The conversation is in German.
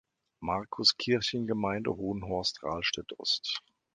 Markus-Kirchengemeinde Hohenhorst Rahlstedt-Ost.